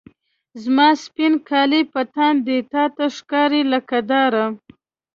زما سپین کالي په تن دي، تا ته ښکاري لکه داره